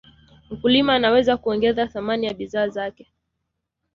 Mkulima anaweza kuongeza thamani ya bidhaa zake